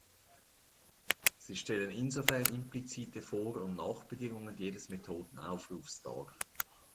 Sie stellen insofern implizite Vor- und Nachbedingungen jedes Methoden-Aufrufs dar.